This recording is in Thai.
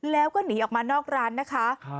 แล้วก็หนีออกมานอกร้านนะคะ